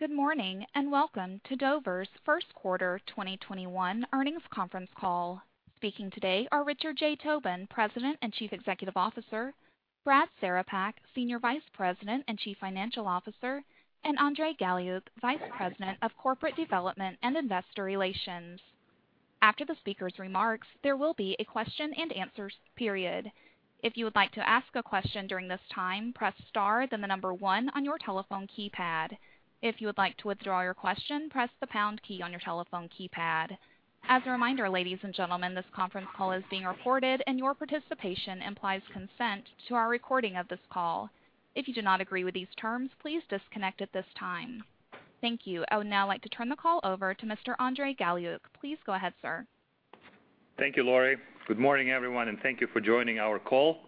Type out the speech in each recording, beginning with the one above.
Good morning, and welcome to Dover's first quarter 2021 earnings conference call. Speaking today are Richard J. Tobin, President and Chief Executive Officer, Brad Cerepak, Senior Vice President and Chief Financial Officer, and Andrey Galiuk, Vice President of Corporate Development and Investor Relations. After the speakers' remarks, there will be a question and answer period. If you would like to ask a question during this time, press star, then the number one on your telephone keypad. If you would like to withdraw your question, press the pound key on your telephone keypad. As a reminder, ladies and gentlemen, this conference call is being recorded, and your participation implies consent to our recording of this call. If you do not agree with these terms, please disconnect at this time. Thank you. I would now like to turn the call over to Mr. Andrey Galiuk. Please go ahead, sir. Thank you, Laurie. Good morning, everyone. Thank you for joining our call.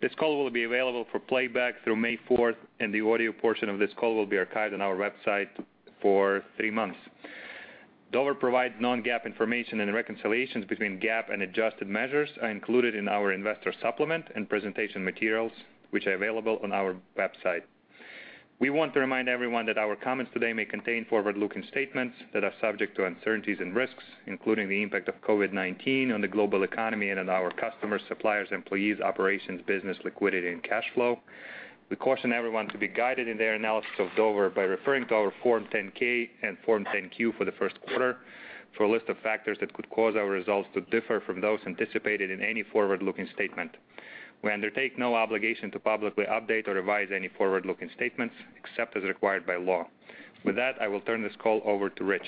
This call will be available for playback through May 4th. The audio portion of this call will be archived on our website for three months. Dover provides non-GAAP information. The reconciliations between GAAP and adjusted measures are included in our investor supplement and presentation materials, which are available on our website. We want to remind everyone that our comments today may contain forward-looking statements that are subject to uncertainties and risks, including the impact of COVID-19 on the global economy and on our customers, suppliers, employees, operations, business, liquidity, and cash flow. We caution everyone to be guided in their analysis of Dover by referring to our Form 10-K and Form 10-Q for the first quarter for a list of factors that could cause our results to differ from those anticipated in any forward-looking statement. We undertake no obligation to publicly update or revise any forward-looking statements, except as required by law. With that, I will turn this call over to Rich.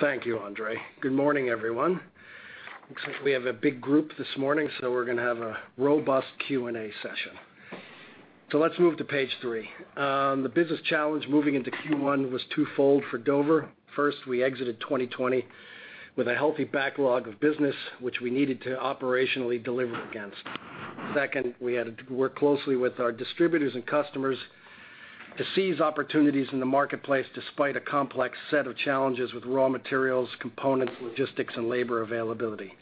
Thank you, Andrey. Good morning, everyone. Looks like we have a big group this morning, so we're going to have a robust Q&A session. Let's move to page three. The business challenge moving into Q1 was twofold for Dover. First, we exited 2020 with a healthy backlog of business, which we needed to operationally deliver against. Second, we had to work closely with our distributors and customers to seize opportunities in the marketplace, despite a complex set of challenges with raw materials, components, logistics, and labor availability.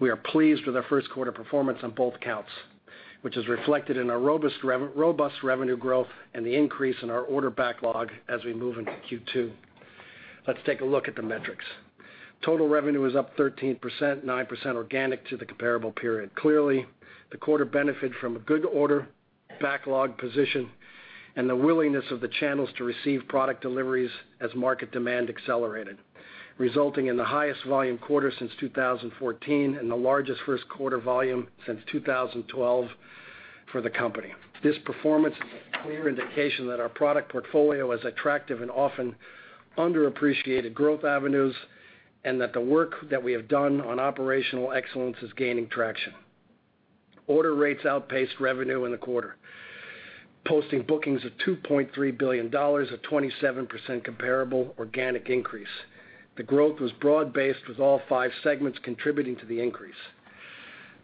We are pleased with our first quarter performance on both counts, which is reflected in our robust revenue growth and the increase in our order backlog as we move into Q2. Let's take a look at the metrics. Total revenue is up 13%, 9% organic to the comparable period. Clearly, the quarter benefited from a good order backlog position and the willingness of the channels to receive product deliveries as market demand accelerated, resulting in the highest volume quarter since 2014 and the largest first quarter volume since 2012 for the company. This performance is a clear indication that our product portfolio has attractive and often underappreciated growth avenues and that the work that we have done on operational excellence is gaining traction. Order rates outpaced revenue in the quarter, posting bookings of $2.3 billion, a 27% comparable organic increase. The growth was broad-based, with all five segments contributing to the increase.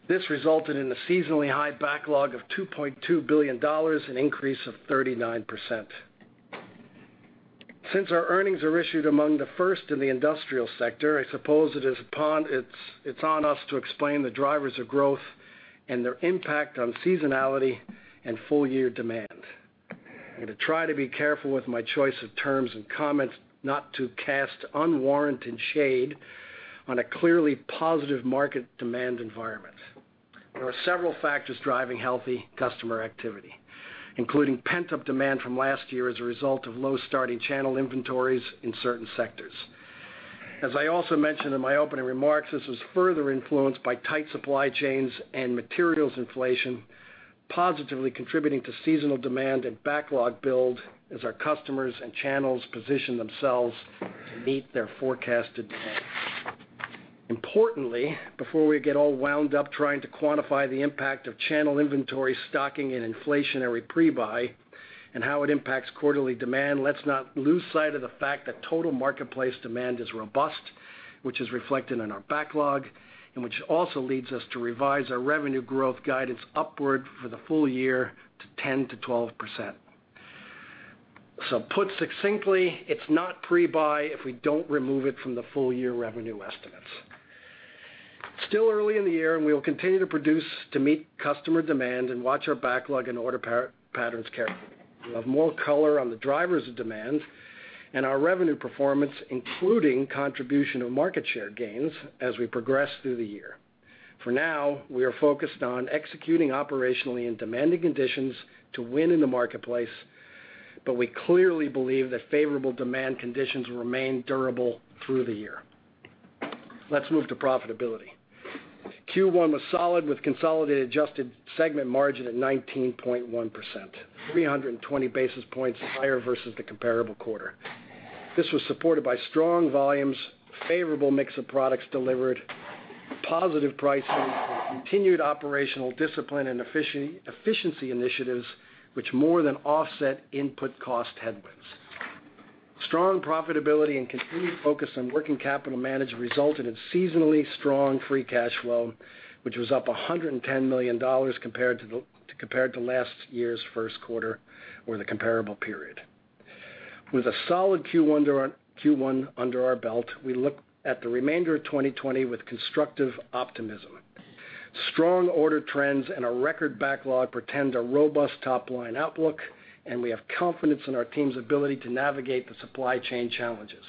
This resulted in a seasonally high backlog of $2.2 billion, an increase of 39%. Since our earnings are issued among the first in the industrial sector, I suppose it's on us to explain the drivers of growth and their impact on seasonality and full-year demand. I'm going to try to be careful with my choice of terms and comments not to cast unwarranted shade on a clearly positive market demand environment. There are several factors driving healthy customer activity, including pent-up demand from last year as a result of low starting channel inventories in certain sectors. As I also mentioned in my opening remarks, this was further influenced by tight supply chains and materials inflation, positively contributing to seasonal demand and backlog build as our customers and channels position themselves to meet their forecasted demand. Importantly, before we get all wound up trying to quantify the impact of channel inventory stocking and inflationary pre-buy and how it impacts quarterly demand, let's not lose sight of the fact that total marketplace demand is robust, which is reflected in our backlog and which also leads us to revise our revenue growth guidance upward for the full year to 10%-12%. Put succinctly, it's not pre-buy if we don't remove it from the full-year revenue estimates. It's still early in the year, and we will continue to produce to meet customer demand and watch our backlog and order patterns carefully. We'll have more color on the drivers of demand and our revenue performance, including contribution of market share gains, as we progress through the year. For now, we are focused on executing operationally in demanding conditions to win in the marketplace, but we clearly believe that favorable demand conditions will remain durable through the year. Let's move to profitability. Q1 was solid, with consolidated adjusted segment margin at 19.1%, 320 basis points higher versus the comparable quarter. This was supported by strong volumes, favorable mix of products delivered, positive pricing, and continued operational discipline and efficiency initiatives, which more than offset input cost headwinds. Strong profitability and continued focus on working capital management resulted in seasonally strong free cash flow, which was up $110 million compared to last year's first quarter or the comparable period. With a solid Q1 under our belt, we look at the remainder of 2020 with constructive optimism. Strong order trends and a record backlog portend a robust top-line outlook, and we have confidence in our team's ability to navigate the supply chain challenges.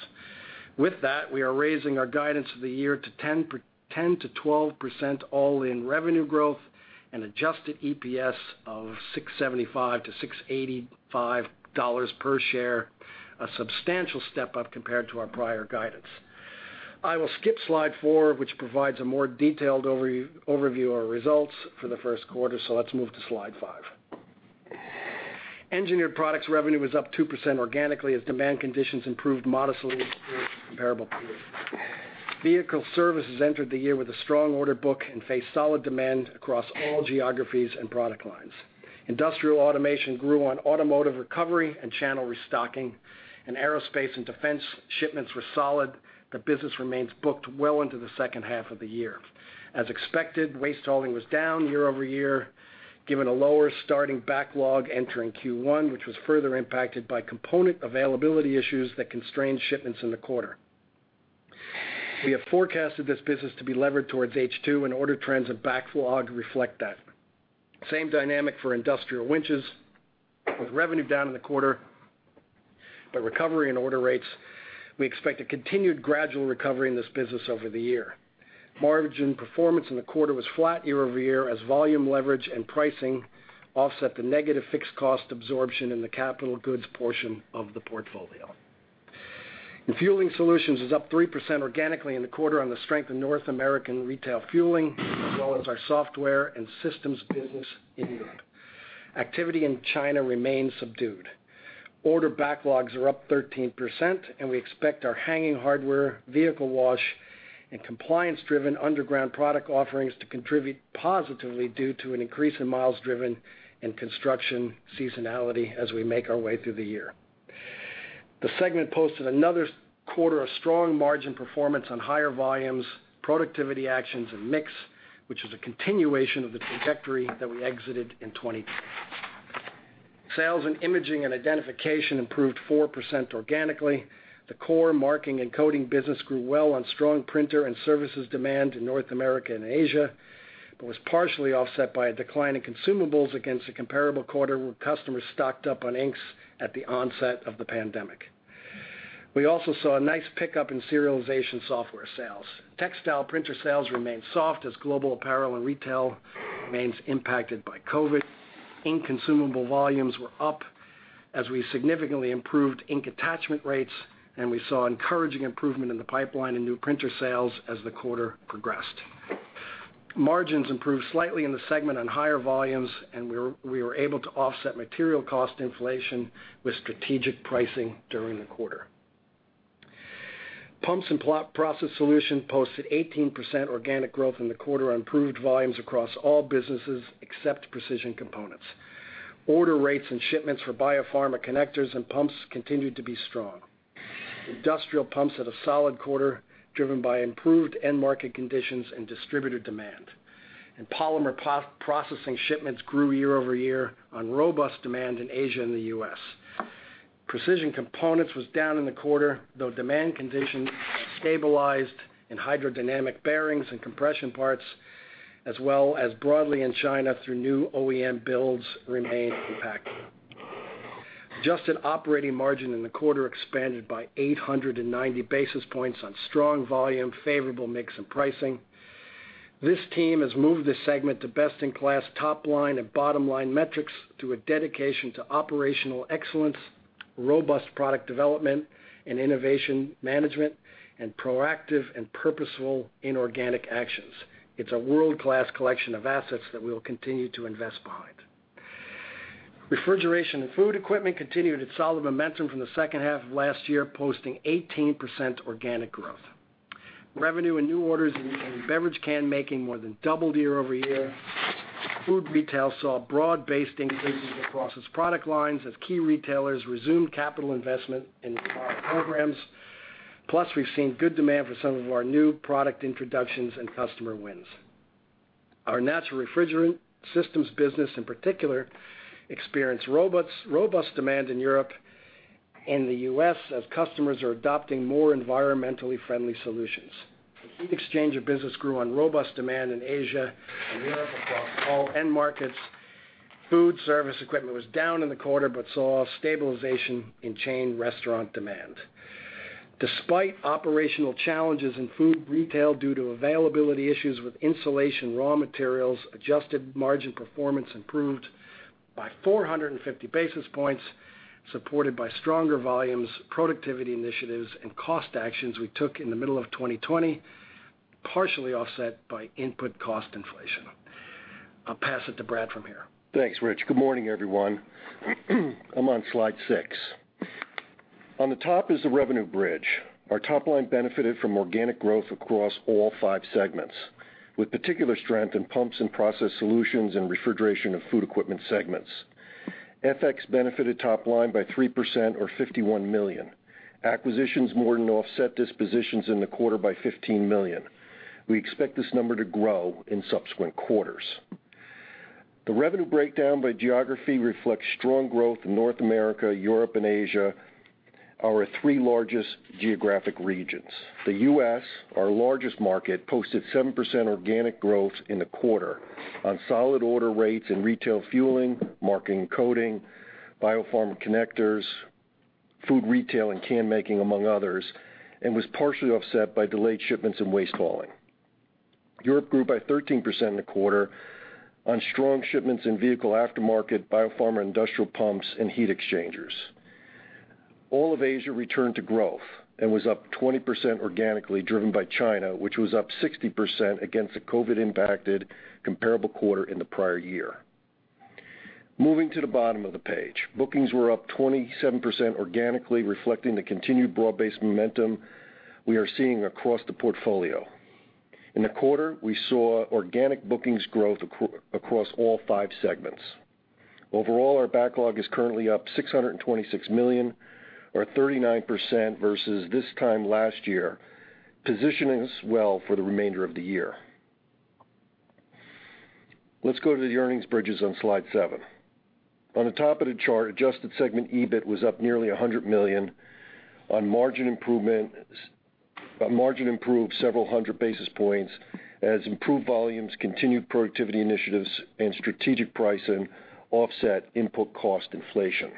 With that, we are raising our guidance for the year to 10%-12% all-in revenue growth and Adjusted EPS of $675-$685 per share, a substantial step up compared to our prior guidance. I will skip slide four, which provides a more detailed overview of our results for the first quarter, so let's move to slide five. Engineered Products revenue was up 2% organically as demand conditions improved modestly comparable period. Vehicle Services entered the year with a strong order book and faced solid demand across all geographies and product lines. Industrial Automation grew on automotive recovery and channel restocking, and Aerospace and Defense shipments were solid. The business remains booked well into the second half of the year. As expected, waste hauling was down year-over-year, given a lower starting backlog entering Q1, which was further impacted by component availability issues that constrained shipments in the quarter. We have forecasted this business to be levered towards H2, and order trends and backlog reflect that. Same dynamic for industrial winches with revenue down in the quarter, but recovery in order rates. We expect a continued gradual recovery in this business over the year. Margin performance in the quarter was flat year-over-year as volume leverage and pricing offset the negative fixed cost absorption in the capital goods portion of the portfolio. Fueling Solutions is up 3% organically in the quarter on the strength of North American retail fueling, as well as our software and systems business in Europe. Activity in China remains subdued. Order backlogs are up 13%. We expect our hanging hardware, vehicle wash, and compliance-driven underground product offerings to contribute positively due to an increase in miles driven and construction seasonality as we make our way through the year. The segment posted another quarter of strong margin performance on higher volumes, productivity actions, and mix, which is a continuation of the trajectory that we exited in 2020. Sales in Imaging & Identification improved 4% organically. The core marking and coding business grew well on strong printer and services demand in North America and Asia. Was partially offset by a decline in consumables against a comparable quarter, where customers stocked up on inks at the onset of the pandemic. We also saw a nice pickup in serialization software sales. Textile printer sales remained soft as global apparel and retail remains impacted by COVID. Ink consumable volumes were up as we significantly improved ink attachment rates. We saw encouraging improvement in the pipeline in new printer sales as the quarter progressed. Margins improved slightly in the segment on higher volumes. We were able to offset material cost inflation with strategic pricing during the quarter. Pumps & Process Solutions posted 18% organic growth in the quarter on improved volumes across all businesses except Precision Components. Order rates and shipments for biopharma connectors and pumps continued to be strong. Industrial pumps had a solid quarter, driven by improved end market conditions and distributor demand. Polymer processing shipments grew year-over-year on robust demand in Asia and the U.S. Precision Components was down in the quarter, though demand conditions have stabilized in hydrodynamic bearings and compression parts, as well as broadly in China though new OEM builds remained impacted. Adjusted operating margin in the quarter expanded by 890 basis points on strong volume, favorable mix, and pricing. This team has moved this segment to best-in-class top-line and bottom-line metrics through a dedication to operational excellence, robust product development and innovation management, and proactive and purposeful inorganic actions. It's a world-class collection of assets that we will continue to invest behind. Refrigeration & Food Equipment continued its solid momentum from the second half of last year, posting 18% organic growth. Revenue and new orders in beverage can making more than doubled year-over-year. Food Retail saw broad-based increases across its product lines as key retailers resumed capital investment in programs. Plus, we've seen good demand for some of our new product introductions and customer wins. Our natural refrigerant systems business, in particular, experienced robust demand in Europe and the U.S. as customers are adopting more environmentally friendly solutions. Exchanger business grew on robust demand in Asia and Europe across all end markets. Food service equipment was down in the quarter, but saw stabilization in chain restaurant demand. Despite operational challenges in food retail due to availability issues with insulation raw materials, adjusted margin performance improved by 450 basis points, supported by stronger volumes, productivity initiatives, and cost actions we took in the middle of 2020, partially offset by input cost inflation. I'll pass it to Brad from here. Thanks, Rich. Good morning, everyone. I'm on slide six. On the top is the revenue bridge. Our top line benefited from organic growth across all five segments, with particular strength in Pumps and Process Solutions and Refrigeration and Food Equipment segments. FX benefited top line by 3% or $51 million. Acquisitions more than offset dispositions in the quarter by $15 million. We expect this number to grow in subsequent quarters. The revenue breakdown by geography reflects strong growth in North America, Europe, and Asia, our three largest geographic regions. The U.S., our largest market, posted 7% organic growth in the quarter on solid order rates in retail fueling, marking and coding, biopharma connectors, food retail, and can making, among others, and was partially offset by delayed shipments in waste hauling. Europe grew by 13% in the quarter on strong shipments in vehicle aftermarket, biopharma, industrial pumps, and heat exchangers. All of Asia returned to growth and was up 20% organically, driven by China, which was up 60% against the COVID-impacted comparable quarter in the prior year. Moving to the bottom of the page. Bookings were up 27% organically, reflecting the continued broad-based momentum we are seeing across the portfolio. In the quarter, we saw organic bookings growth across all five segments. Overall, our backlog is currently up $626 million or 39% versus this time last year, positioning us well for the remainder of the year. Let's go to the earnings bridges on slide seven. On the top of the chart, adjusted segment EBIT was up nearly $100 million on margin improved several hundred basis points as improved volumes, continued productivity initiatives, and strategic pricing offset input cost inflation.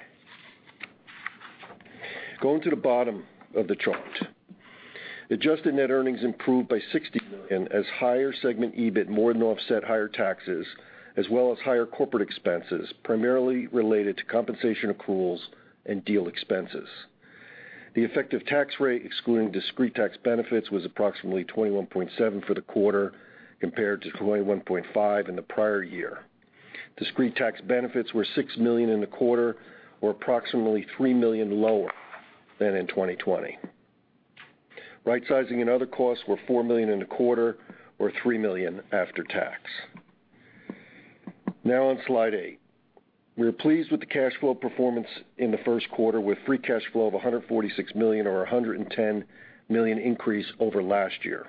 Going to the bottom of the chart. Adjusted net earnings improved by $60 million as higher segment EBIT more than offset higher taxes as well as higher corporate expenses, primarily related to compensation accruals and deal expenses. The effective tax rate, excluding discrete tax benefits, was approximately 21.7% for the quarter, compared to 21.5% in the prior year. Discrete tax benefits were $6 million in the quarter, or approximately $3 million lower than in 2020. Rightsizing and other costs were $4 million in the quarter, or $3 million after tax. On slide eight. We are pleased with the cash flow performance in the first quarter, with free cash flow of $146 million or $110 million increase over last year.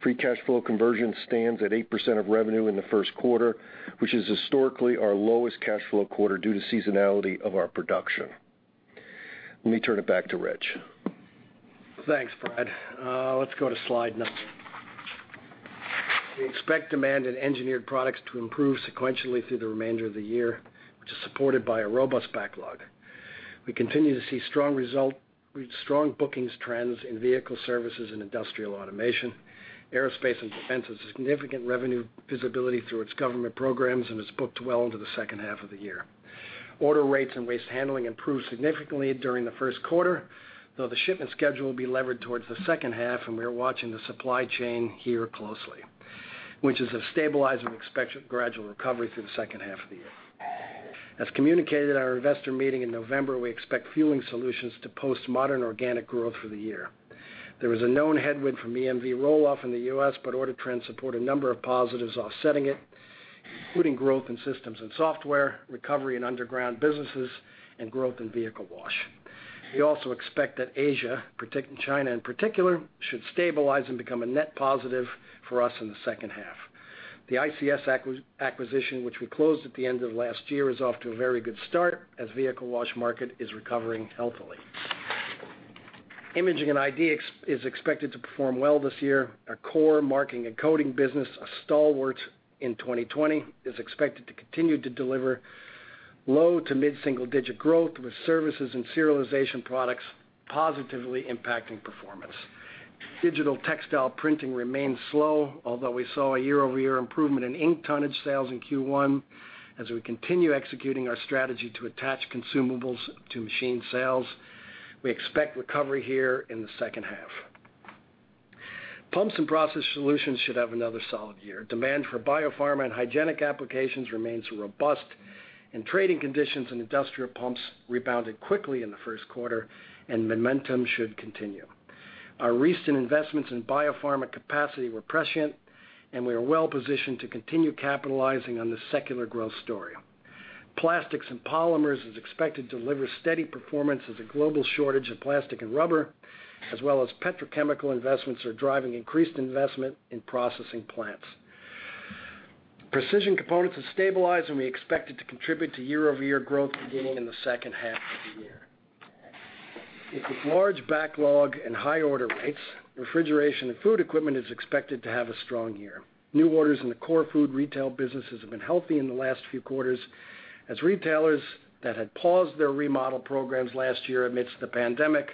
Free cash flow conversion stands at 8% of revenue in the first quarter, which is historically our lowest cash flow quarter due to seasonality of our production. Let me turn it back to Rich. Thanks, Brad. Let's go to slide nine. We expect demand in Engineered Products to improve sequentially through the remainder of the year, which is supported by a robust backlog. We continue to see strong bookings trends in Vehicle Services and Industrial Automation. Aerospace and Defense has significant revenue visibility through its government programs and is booked well into the second half of the year. Order rates and waste handling improved significantly during the first quarter, though the shipment schedule will be levered towards the second half, and we are watching the supply chain here closely, which is a stabilizing gradual recovery through the second half of the year. As communicated at our investor meeting in November, we expect Fueling Solutions to post modest organic growth for the year. There was a known headwind from EMV roll-off in the U.S. Order trends support a number of positives offsetting it, including growth in systems and software, recovery in underground businesses, and growth in vehicle wash. We also expect that Asia, China in particular, should stabilize and become a net positive for us in the second half. The ICS acquisition, which we closed at the end of last year, is off to a very good start as vehicle wash market is recovering healthily. Imaging & Identification is expected to perform well this year. Our core marking and coding business, a stalwart in 2020, is expected to continue to deliver low to mid-single-digit growth with services and serialization products positively impacting performance. Digital textile printing remains slow, although we saw a year-over-year improvement in ink tonnage sales in Q1 as we continue executing our strategy to attach consumables to machine sales. We expect recovery here in the second half. Pumps & Process Solutions should have another solid year. Demand for biopharma and hygienic applications remains robust, and trading conditions in industrial pumps rebounded quickly in the first quarter and momentum should continue. Our recent investments in biopharma capacity were prescient, and we are well-positioned to continue capitalizing on this secular growth story. Plastics and polymers is expected to deliver steady performance as a global shortage of plastic and rubber, as well as petrochemical investments are driving increased investment in processing plants. Precision components have stabilized, and we expect it to contribute to year-over-year growth beginning in the second half of the year. With large backlog and high order rates, Refrigeration & Food Equipment is expected to have a strong year. New orders in the core Food Retail businesses have been healthy in the last few quarters as retailers that had paused their remodel programs last year amidst the pandemic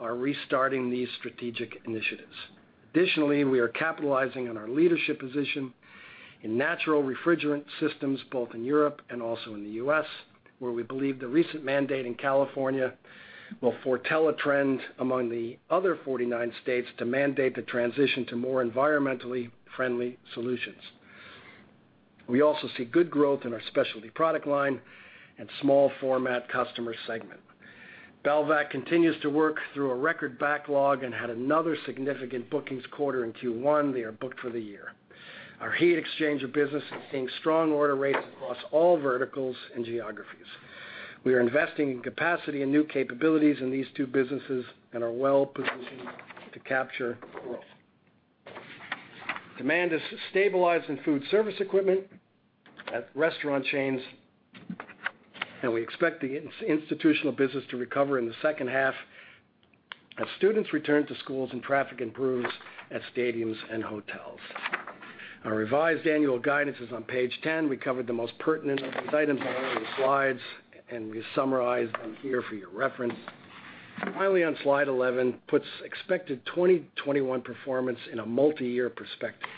are restarting these strategic initiatives. We are capitalizing on our leadership position in natural refrigerant systems, both in Europe and also in the U.S., where we believe the recent mandate in California will foretell a trend among the other 49 states to mandate the transition to more environmentally friendly solutions. We also see good growth in our specialty product line and small format customer segment. Belvac continues to work through a record backlog and had another significant bookings quarter in Q1. They are booked for the year. Our heat exchanger business is seeing strong order rates across all verticals and geographies. We are investing in capacity and new capabilities in these two businesses and are well-positioned to capture growth. Demand has stabilized in food service equipment at restaurant chains, and we expect the institutional business to recover in the second half as students return to schools and traffic improves at stadiums and hotels. Our revised annual guidance is on page 10. We covered the most pertinent of these items on earlier slides, and we summarize them here for your reference. Finally, on slide 11, puts expected 2021 performance in a multi-year perspective.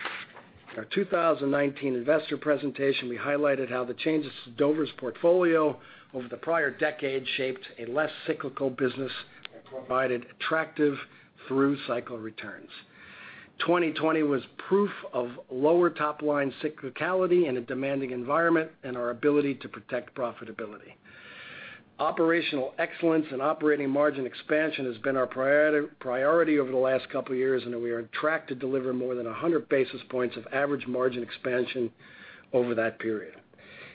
In our 2019 investor presentation, we highlighted how the changes to Dover's portfolio over the prior decade shaped a less cyclical business and provided attractive through-cycle returns. 2020 was proof of lower top-line cyclicality in a demanding environment and our ability to protect profitability. Operational excellence and operating margin expansion has been our priority over the last couple of years, and we are on track to deliver more than 100 basis points of average margin expansion over that period.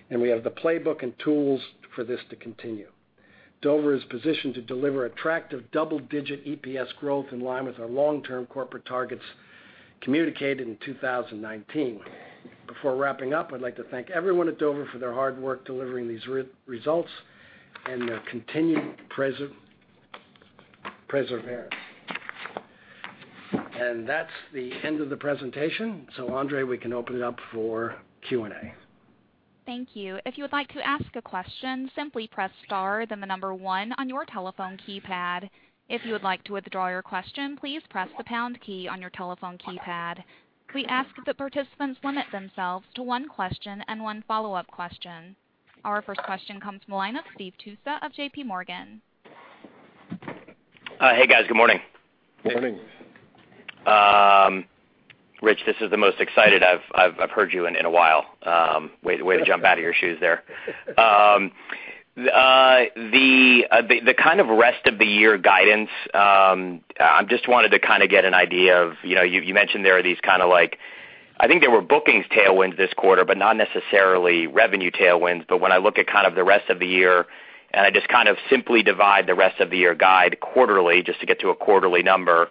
We have the playbook and tools for this to continue. Dover is positioned to deliver attractive double-digit EPS growth in line with our long-term corporate targets communicated in 2019. Before wrapping up, I'd like to thank everyone at Dover for their hard work delivering these results and their continued perseverance. That's the end of the presentation. Andrey, we can open it up for Q&A. Thank you. If you would like to ask a question simply press star then the number one on your telephone keypad if you would like to withdraw your question please press the pound key on your telephone keypad. We ask that participants limit themselves to one question and one follow-up question. Our first question comes from the line of Steve Tusa of JPMorgan. Hey, guys. Good morning. Good morning. Rich, this is the most excited I've heard you in a while. Way to jump out of your shoes there. The kind of rest of the year guidance, I just wanted to get an idea of, you mentioned there are these kind of I think there were bookings tailwinds this quarter, but not necessarily revenue tailwinds. When I look at the rest of the year and I just simply divide the rest of the year guide quarterly just to get to a quarterly number,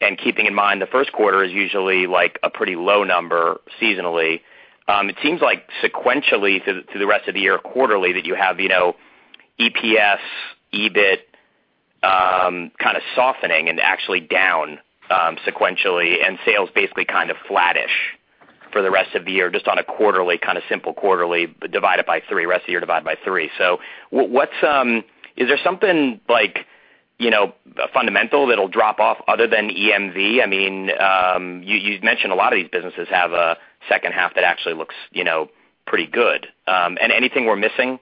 and keeping in mind the first quarter is usually a pretty low number seasonally, it seems like sequentially through the rest of the year quarterly that you have EPS, EBIT, kind of softening and actually down sequentially, and sales basically kind of flattish for the rest of the year, just on a simple quarterly divided by three, rest of the year divided by three. Is there something fundamental that'll drop off other than EMV? You mentioned a lot of these businesses have a second half that actually looks pretty good. Anything we're missing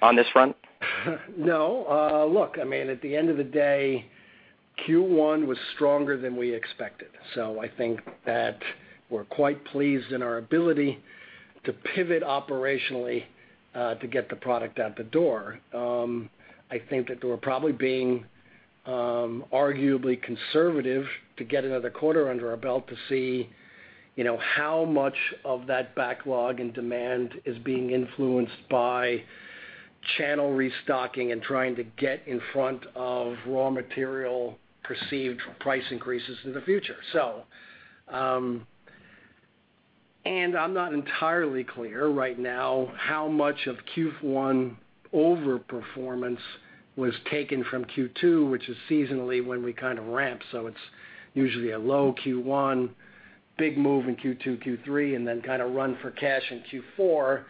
on this front? Look, at the end of the day, Q1 was stronger than we expected. I think that we're quite pleased in our ability to pivot operationally to get the product out the door. I think that we're probably being arguably conservative to get another quarter under our belt to see how much of that backlog and demand is being influenced by channel restocking and trying to get in front of raw material perceived price increases in the future. I'm not entirely clear right now how much of Q1 overperformance was taken from Q2, which is seasonally when we kind of ramp. It's usually a low Q1, big move in Q2, Q3, and then kind of run for cash in Q4.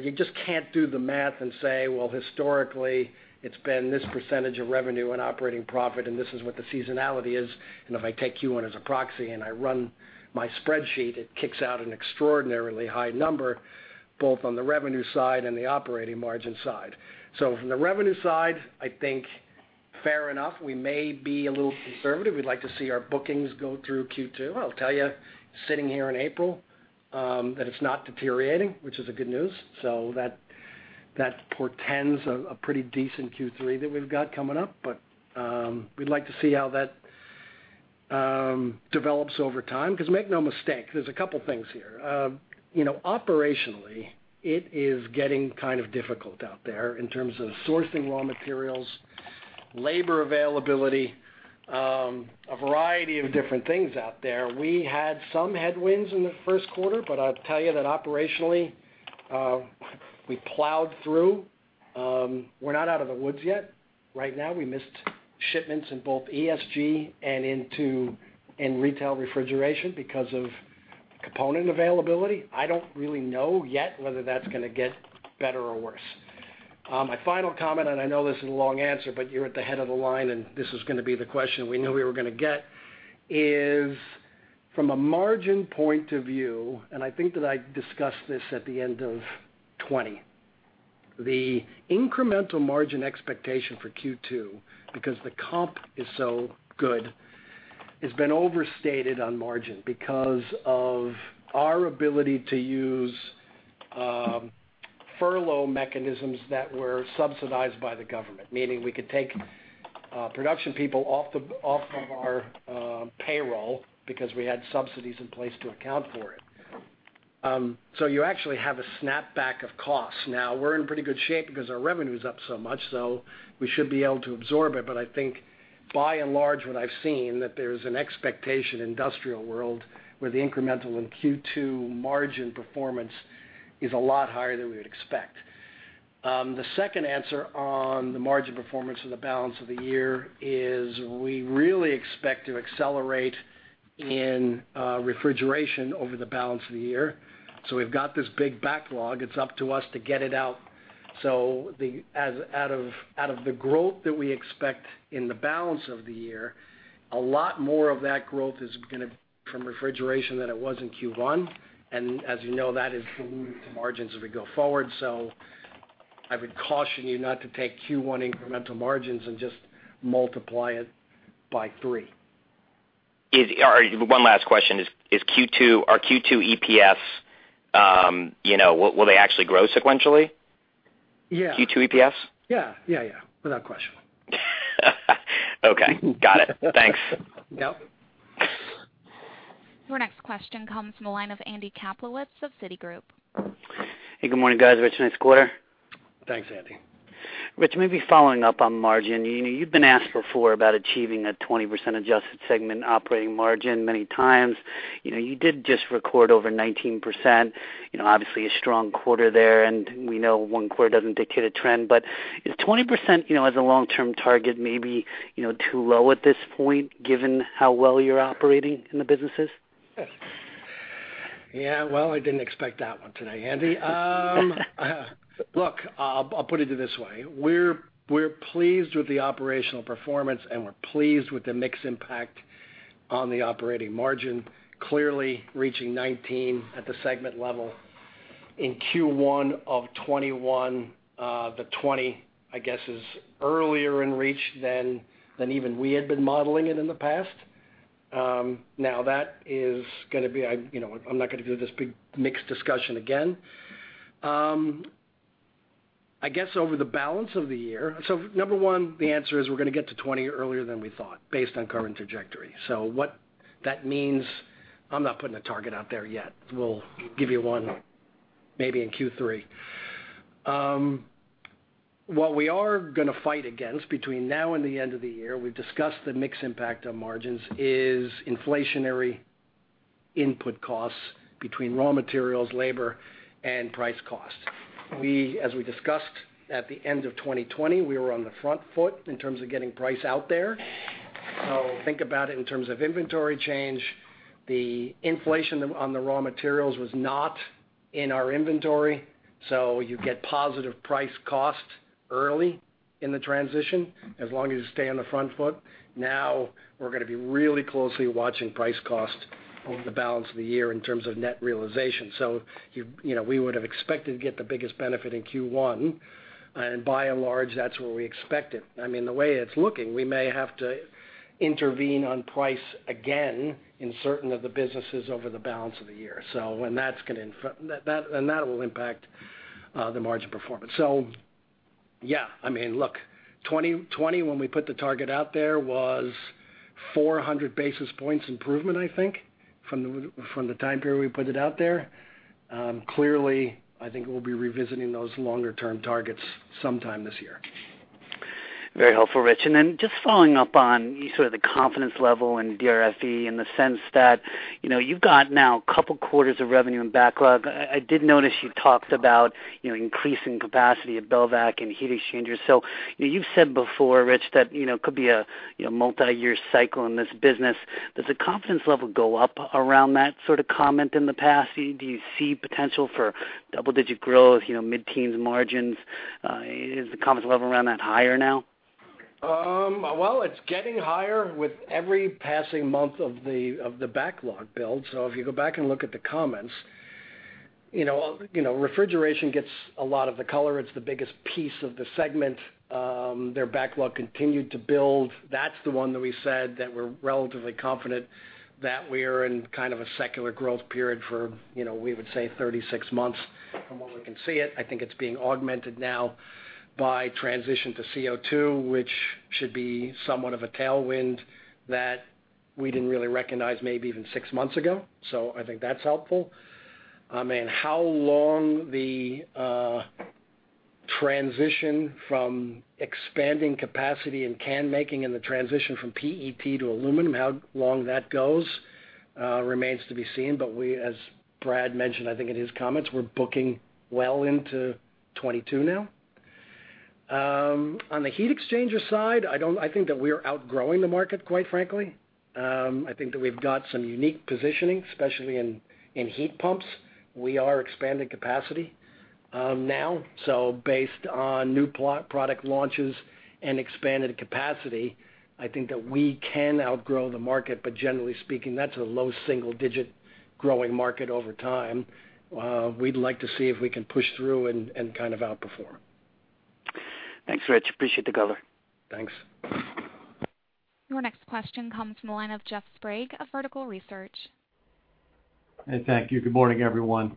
You just can't do the math and say, well, historically, it's been this percentage of revenue and operating profit, and this is what the seasonality is. If I take Q1 as a proxy and I run my spreadsheet, it kicks out an extraordinarily high number, both on the revenue side and the operating margin side. From the revenue side, I think fair enough, we may be a little conservative. We'd like to see our bookings go through Q2. I'll tell you, sitting here in April, that it's not deteriorating, which is a good news. That portends a pretty decent Q3 that we've got coming up. We'd like to see how that develops over time, because make no mistake, there's a couple of things here. Operationally, it is getting kind of difficult out there in terms of sourcing raw materials, labor availability, a variety of different things out there. We had some headwinds in the first quarter, but I'll tell you that operationally, we plowed through. We're not out of the woods yet. Right now, we missed shipments in both ESG and in Refrigeration & Food Equipment because of component availability. I don't really know yet whether that's going to get better or worse. My final comment, and I know this is a long answer, but you're at the head of the line, and this is going to be the question we knew we were going to get, is from a margin point of view, and I think that I discussed this at the end of 2020. The incremental margin expectation for Q2, because the comp is so good, has been overstated on margin because of our ability to use furlough mechanisms that were subsidized by the government, meaning we could take production people off of our payroll because we had subsidies in place to account for it. You actually have a snapback of costs. We're in pretty good shape because our revenue's up so much, we should be able to absorb it. I think by and large, what I've seen, that there's an expectation industrial world where the incremental in Q2 margin performance is a lot higher than we would expect. The second answer on the margin performance of the balance of the year is we really expect to accelerate in refrigeration over the balance of the year. We've got this big backlog. It's up to us to get it out. Out of the growth that we expect in the balance of the year, a lot more of that growth is going to from refrigeration than it was in Q1. As you know, that is dilutive to margins as we go forward. I would caution you not to take Q1 incremental margins and just multiply it by three. One last question. Is our Q2 EPS, will they actually grow sequentially? Yeah. Q2 EPS? Yeah. Without question. Okay. Got it. Thanks. Yep. Your next question comes from the line of Andy Kaplowitz of Citigroup. Hey, good morning, guys. Rich, nice quarter. Thanks, Andy. Rich, maybe following up on margin. You've been asked before about achieving a 20% adjusted segment operating margin many times. You did just record over 19%, obviously a strong quarter there, and we know one quarter doesn't dictate a trend, but is 20% as a long-term target maybe too low at this point, given how well you're operating in the businesses? Yeah, well, I didn't expect that one today, Andy. Look, I'll put it this way. We're pleased with the operational performance, and we're pleased with the mix impact on the operating margin. Clearly reaching 19 at the segment level in Q1 of 2021, the 20, I guess, is earlier in reach than even we had been modeling it in the past. I'm not going to do this big mix discussion again. I guess, over the balance of the year, number one, the answer is we're going to get to 20 earlier than we thought based on current trajectory. What that means, I'm not putting a target out there yet. We'll give you one maybe in Q3. What we are going to fight against between now and the end of the year, we've discussed the mix impact on margins is inflationary input costs between raw materials, labor, and price cost. As we discussed at the end of 2020, we were on the front foot in terms of getting price out there. Think about it in terms of inventory change. The inflation on the raw materials was not in our inventory, so you get positive price cost early in the transition, as long as you stay on the front foot. We're going to be really closely watching price cost over the balance of the year in terms of net realization. We would've expected to get the biggest benefit in Q1, and by and large, that's where we expect it. The way it's looking, we may have to intervene on price again in certain of the businesses over the balance of the year. That will impact the margin performance. Yeah, look, 2020, when we put the target out there, was 400 basis points improvement, I think, from the time period we put it out there. Clearly, I think we'll be revisiting those longer-term targets sometime this year. Very helpful, Rich. Just following up on sort of the confidence level in DRFE in the sense that you've got now couple quarters of revenue and backlog. I did notice you talked about increasing capacity at Belvac and Heat Exchangers. You've said before, Rich, that could be a multi-year cycle in this business. Does the confidence level go up around that sort of comment in the past? Do you see potential for double-digit growth, mid-teens margins? Is the confidence level around that higher now? It's getting higher with every passing month of the backlog build. If you go back and look at the comments, Refrigeration gets a lot of the color. It's the biggest piece of the segment. Their backlog continued to build. That's the one that we said that we're relatively confident that we're in kind of a secular growth period for we would say 36 months from what we can see it. I think it's being augmented now by transition to CO2, which should be somewhat of a tailwind that we didn't really recognize maybe even six months ago. I think that's helpful. How long the transition from expanding capacity in can making and the transition from PET to aluminum, how long that goes remains to be seen. As Brad mentioned, I think in his comments, we're booking well into 2022 now. On the heat exchanger side, I think that we are outgrowing the market, quite frankly. I think that we've got some unique positioning, especially in heat pumps. We are expanding capacity now. Based on new product launches and expanded capacity, I think that we can outgrow the market. Generally speaking, that's a low single digit growing market over time. We'd like to see if we can push through and kind of outperform. Thanks, Rich. Appreciate the color. Thanks. Your next question comes from the line of Jeff Sprague of Vertical Research. Hey, thank you. Good morning, everyone.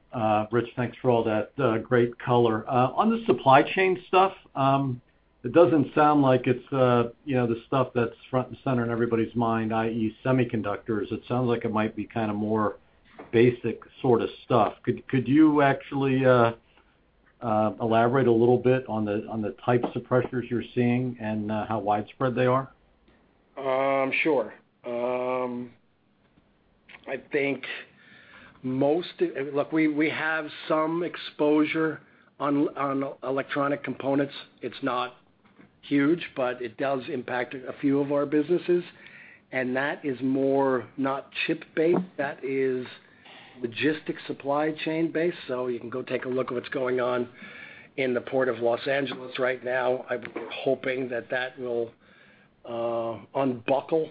Rich, thanks for all that great color. On the supply chain stuff, it doesn't sound like it's the stuff that's front and center in everybody's mind, i.e., semiconductors. It sounds like it might be more basic sort of stuff. Could you actually elaborate a little bit on the types of pressures you're seeing and how widespread they are? Sure. Look, we have some exposure on electronic components. It's not huge, it does impact a few of our businesses. That is more not chip-based, that is logistics supply chain based. You can go take a look at what's going on in the Port of Los Angeles right now. I'm hoping that will unbuckle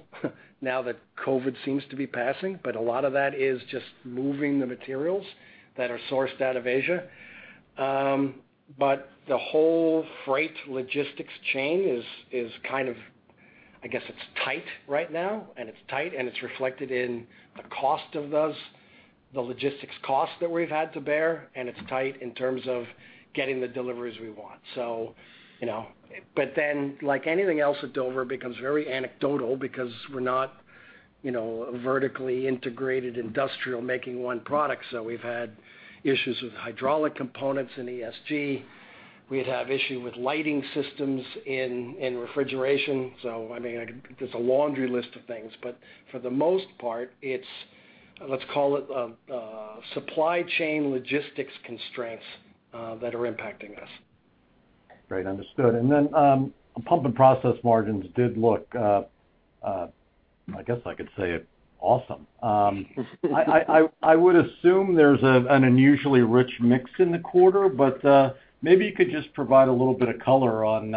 now that COVID seems to be passing. A lot of that is just moving the materials that are sourced out of Asia. The whole freight logistics chain is kind of, I guess it's tight right now. It's tight and it's reflected in the cost of those, the logistics cost that we've had to bear, and it's tight in terms of getting the deliveries we want. Then, like anything else at Dover, becomes very anecdotal because we're not vertically integrated industrial making one product. We've had issues with hydraulic components in ESG. We'd have issue with lighting systems in refrigeration. There's a laundry list of things. For the most part, it's, let's call it supply chain logistics constraints that are impacting us. Great, understood. Pumps and Process margins did look, I guess I could say awesome. I would assume there's an unusually rich mix in the quarter, but maybe you could just provide a little bit of color on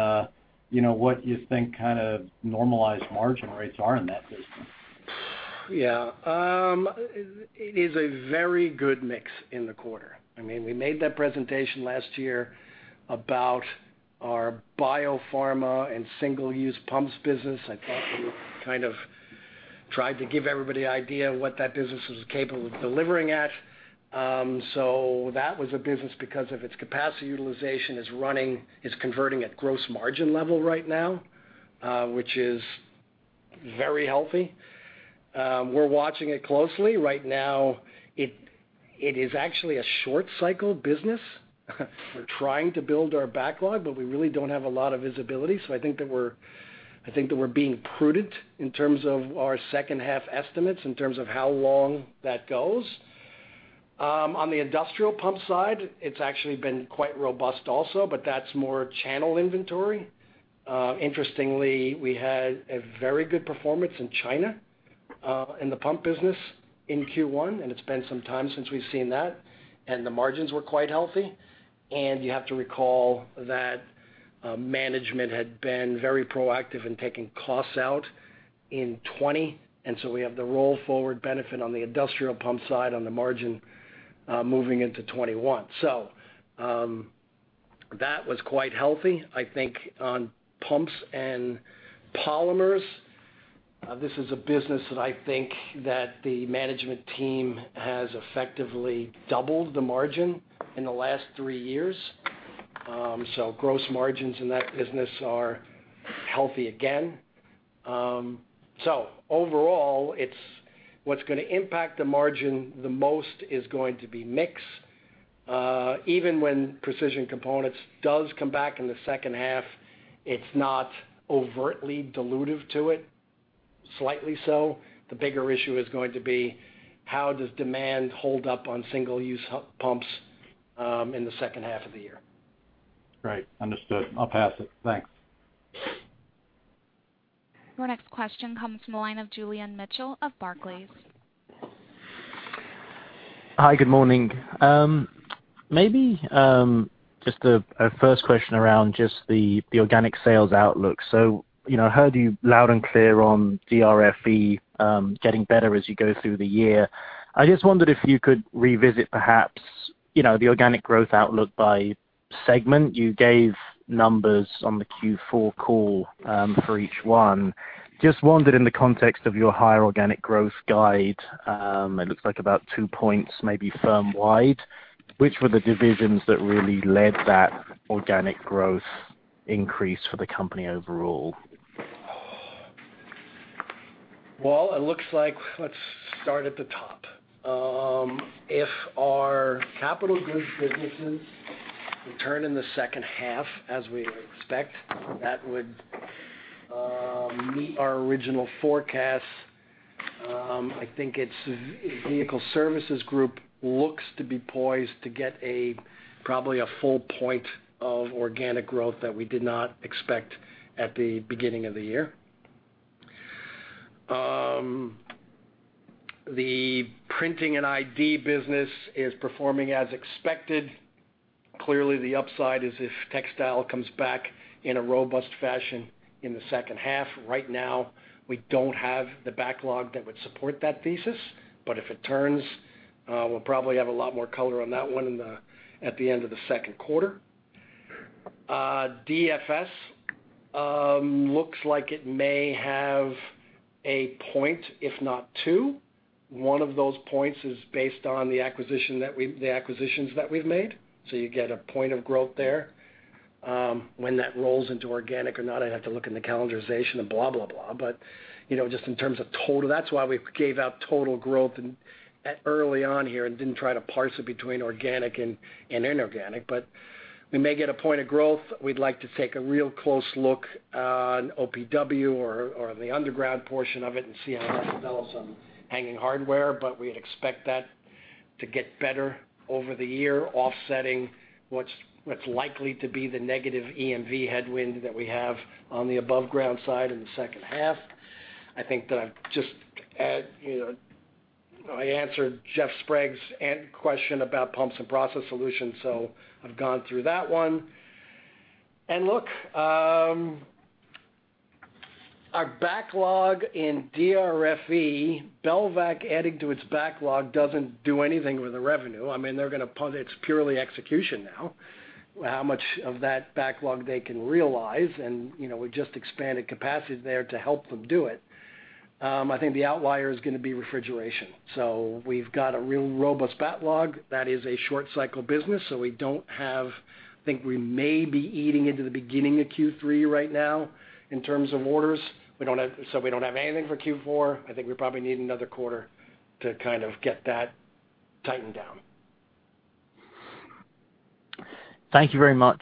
what you think kind of normalized margin rates are in that business. It is a very good mix in the quarter. We made that presentation last year about our biopharma and single-use pumps business. I thought we kind of tried to give everybody an idea of what that business was capable of delivering at. That was a business because of its capacity utilization is converting at gross margin level right now, which is very healthy. We're watching it closely. Right now, it is actually a short cycle business. We're trying to build our backlog, but we really don't have a lot of visibility. I think that we're being prudent in terms of our second half estimates in terms of how long that goes. On the industrial pump side, it's actually been quite robust also, but that's more channel inventory. Interestingly, we had a very good performance in China, in the pump business in Q1. It's been some time since we've seen that. The margins were quite healthy. You have to recall that management had been very proactive in taking costs out in 2020. We have the roll-forward benefit on the industrial pump side on the margin, moving into 2021. That was quite healthy. I think on pumps and polymers, this is a business that I think that the management team has effectively doubled the margin in the last three years. Gross margins in that business are healthy again. Overall, what's going to impact the margin the most is going to be mix. Even when Precision Components does come back in the second half, it's not overtly dilutive to it. Slightly so. The bigger issue is going to be how does demand hold up on single-use pumps in the second half of the year. Right. Understood. I'll pass it. Thanks. Your next question comes from the line of Julian Mitchell of Barclays. Hi. Good morning. Maybe just a first question around just the organic sales outlook. Heard you loud and clear on DRFE getting better as you go through the year. I just wondered if you could revisit perhaps, the organic growth outlook by segment. You gave numbers on the Q4 call for each one. Just wondered in the context of your higher organic growth guide, it looks like about two points maybe firm-wide, which were the divisions that really led that organic growth increase for the company overall? Let's start at the top. If our capital goods businesses return in the second half as we expect, that would meet our original forecast. I think it's Vehicle Service Group looks to be poised to get probably a full point of organic growth that we did not expect at the beginning of the year. The printing and ID business is performing as expected. Clearly, the upside is if textile comes back in a robust fashion in the second half. Right now, we don't have the backlog that would support that thesis, but if it turns, we'll probably have a lot more color on that one at the end of the second quarter. DFS looks like it may have a point, if not two. One of those points is based on the acquisitions that we've made. You get a point of growth there. When that rolls into organic or not, I'd have to look in the calendarization and blah, blah. Just in terms of total, that's why we gave out total growth early on here and didn't try to parse it between organic and inorganic. We may get a point of growth. We'd like to take a real close look on OPW or the underground portion of it and see how that develops on hanging hardware. We'd expect that to get better over the year, offsetting what's likely to be the negative EMV headwind that we have on the above ground side in the second half. I think that I answered Jeff Sprague's question about Pumps & Process Solutions, so I've gone through that one. Look, our backlog in DRFE, Belvac adding to its backlog doesn't do anything with the revenue. I mean, they're going to punt, it's purely execution now, how much of that backlog they can realize. We just expanded capacity there to help them do it. I think the outlier is going to be Refrigeration. We've got a real robust backlog. That is a short cycle business, so we don't have I think we may be eating into the beginning of Q3 right now in terms of orders. We don't have anything for Q4. I think we probably need another quarter to kind of get that tightened down. Thank you very much.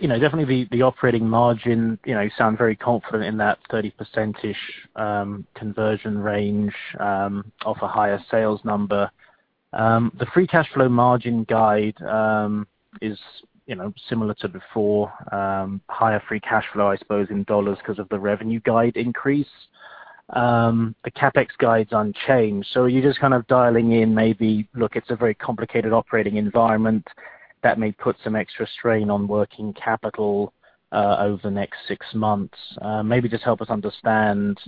Definitely the operating margin, you sound very confident in that 30% conversion range off a higher sales number. The free cash flow margin guide is similar to before. Higher free cash flow, I suppose, in dollars because of the revenue guide increase. The CapEx guide's unchanged. Are you just kind of dialing in maybe, look, it's a very complicated operating environment that may put some extra strain on working capital over the next six months? Just help us understand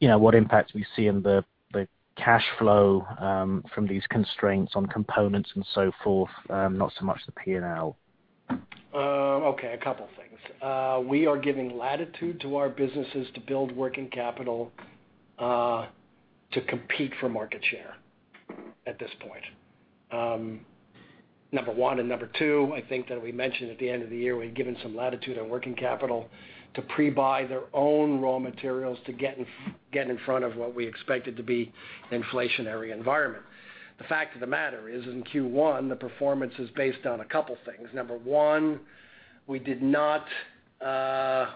what impact we see in the cash flow from these constraints on components and so forth. Not so much the P&L. Okay. A couple things. We are giving latitude to our businesses to build working capital to compete for market share at this point, number one. Number two, I think that we mentioned at the end of the year, we had given some latitude on working capital to pre-buy their own raw materials to get in front of what we expected to be an inflationary environment. The fact of the matter is, in Q1, the performance is based on a couple things. Number one, our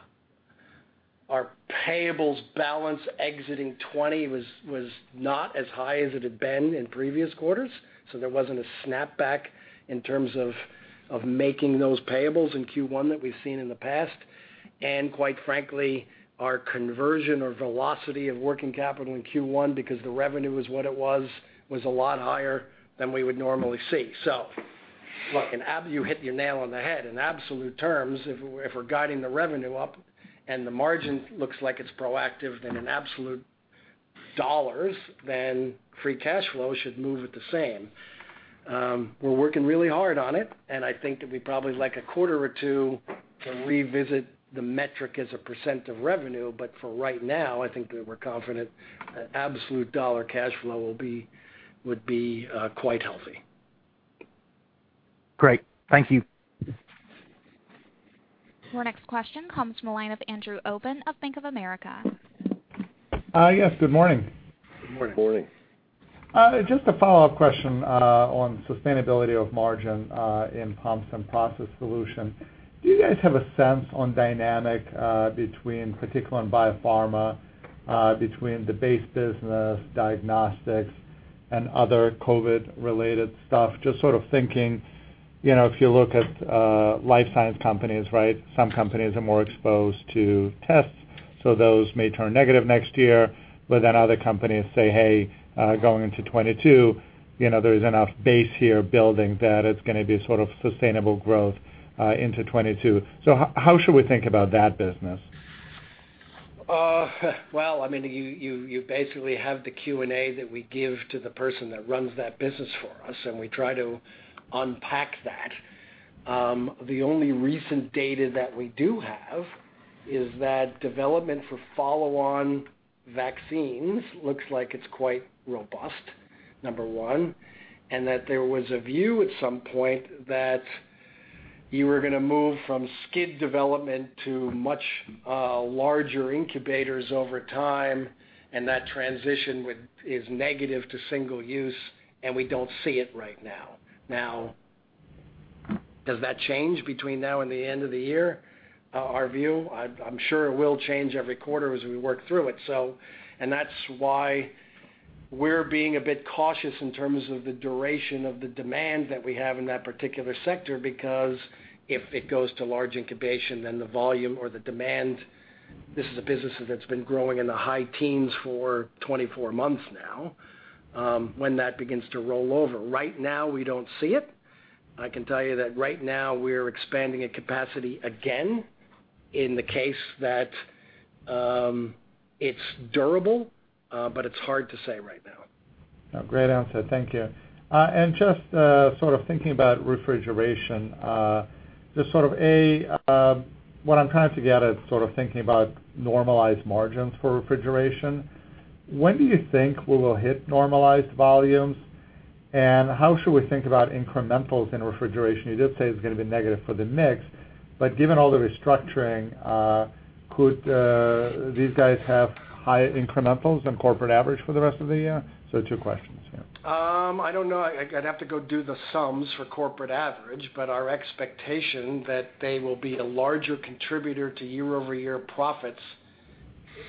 payables balance exiting 2020 was not as high as it had been in previous quarters, so there wasn't a snapback in terms of making those payables in Q1 that we've seen in the past. Quite frankly, our conversion or velocity of working capital in Q1, because the revenue was what it was a lot higher than we would normally see. Look, you hit the nail on the head. In absolute terms, if we're guiding the revenue up and the margin looks like it's proactive, in absolute dollars, free cash flow should move at the same. We're working really hard on it. I think that we'd probably like a quarter or two to revisit the metric as a percent of revenue. For right now, I think that we're confident that absolute dollar cash flow would be quite healthy. Great. Thank you. Our next question comes from the line of Andrew Obin of Bank of America. Yes. Good morning. Good morning. Morning. Just a follow-up question on sustainability of margin in Pumps & Process Solutions. Do you guys have a sense on dynamic between particular and biopharma between the base business diagnostics and other COVID related stuff? Just sort of thinking, if you look at life science companies, some companies are more exposed to tests, so those may turn negative next year. Other companies say, hey, going into 2022, there's enough base here building that it's going to be sort of sustainable growth into 2022. How should we think about that business? Well, you basically have the Q&A that we give to the person that runs that business for us, and we try to unpack that. The only recent data that we do have is that development for follow-on vaccines looks like it's quite robust, number one, and that there was a view at some point that you were going to move from skid development to much larger incubators over time, and that transition is negative to single use, and we don't see it right now. Does that change between now and the end of the year? Our view, I'm sure it will change every quarter as we work through it. That's why we're being a bit cautious in terms of the duration of the demand that we have in that particular sector because if it goes to large incubation, then the volume or the demand, this is a business that's been growing in the high teens for 24 months now, when that begins to roll over. Right now, we don't see it. I can tell you that right now we're expanding a capacity again in the case that it's durable, but it's hard to say right now. Great answer. Thank you. Just thinking about Refrigeration, just sort of, A, what I'm trying to get at is thinking about normalized margins for Refrigeration. When do you think we will hit normalized volumes, and how should we think about incrementals in Refrigeration? You did say it's going to be negative for the mix, but given all the restructuring, could these guys have higher incrementals than corporate average for the rest of the year? Two questions, yeah. I don't know. I'd have to go do the sums for corporate average, but our expectation that they will be a larger contributor to year-over-year profits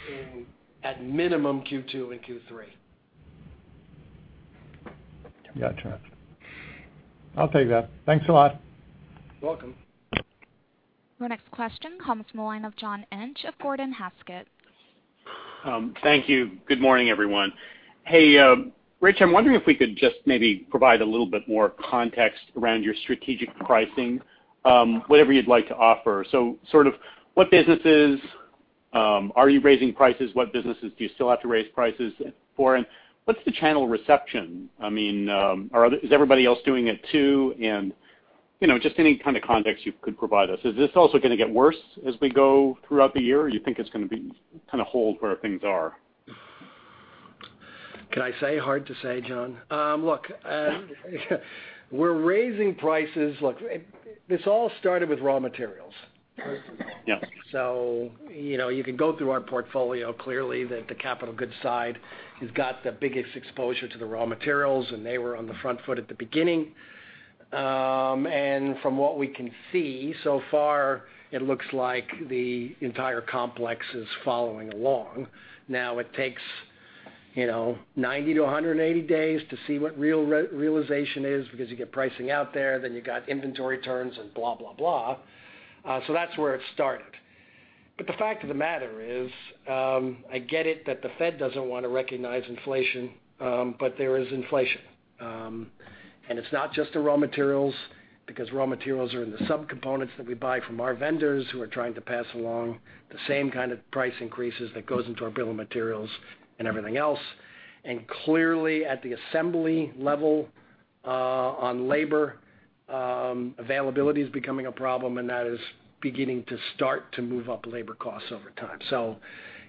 in, at minimum, Q2 and Q3. Gotcha. I'll take that. Thanks a lot. Welcome. The next question comes from the line of John Inch of Gordon Haskett. Thank you. Good morning, everyone. Hey, Rich, I'm wondering if we could just maybe provide a little bit more context around your strategic pricing, whatever you'd like to offer. What businesses are you raising prices? What businesses do you still have to raise prices for, and what's the channel reception? Is everybody else doing it, too? Just any kind of context you could provide us. Is this also going to get worse as we go throughout the year, or you think it's going to kind of hold where things are? Can I say hard to say, John? Look, we're raising prices. Look, this all started with raw materials. Yes. You can go through our portfolio, clearly that the capital goods side has got the biggest exposure to the raw materials, and they were on the front foot at the beginning. From what we can see so far, it looks like the entire complex is following along. It takes 90-180 days to see what real realization is because you get pricing out there, then you got inventory turns and blah, blah. That's where it started. The fact of the matter is, I get it that the Fed doesn't want to recognize inflation, but there is inflation. It's not just the raw materials, because raw materials are in the subcomponents that we buy from our vendors who are trying to pass along the same kind of price increases that goes into our bill of materials and everything else. Clearly, at the assembly level on labor, availability is becoming a problem, and that is beginning to start to move up labor costs over time.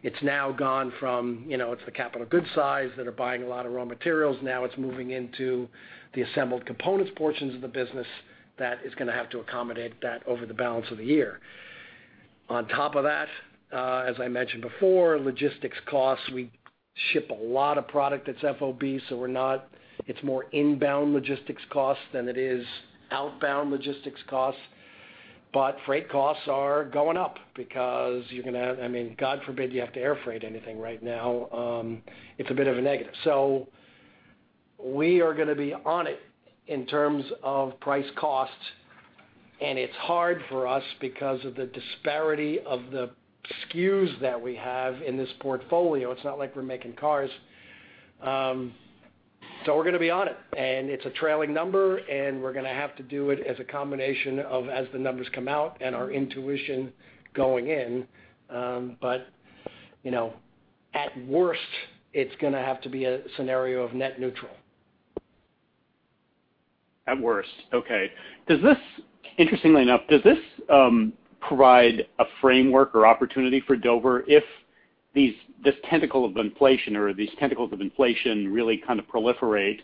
It's now gone from, it's the capital goods size that are buying a lot of raw materials. It's moving into the assembled components portions of the business that is going to have to accommodate that over the balance of the year. On top of that, as I mentioned before, logistics costs. We ship a lot of product that's FOB, so it's more inbound logistics costs than it is outbound logistics costs. Freight costs are going up because you're going to have-- God forbid, you have to air freight anything right now. It's a bit of a negative. We are going to be on it in terms of price costs, and it's hard for us because of the disparity of the SKUs that we have in this portfolio. It's not like we're making cars. We're going to be on it, and it's a trailing number, and we're going to have to do it as a combination of as the numbers come out and our intuition going in. At worst, it's going to have to be a scenario of net neutral. At worst. Okay. Interestingly enough, does this provide a framework or opportunity for Dover if this tentacle of inflation or these tentacles of inflation really kind of proliferate